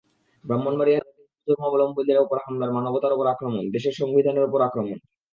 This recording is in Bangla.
ব্রাহ্মণবাড়িয়ায় হিন্দু ধর্মাবলম্বীদের ওপর হামলা মানবতার ওপর আক্রমণ, দেশের সংবিধানের ওপর আক্রমণ।